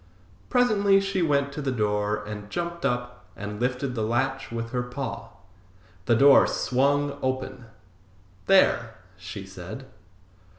Presently she went to the door and jumped up and lifted the latch with her paw. The door swung open. "There!" she said.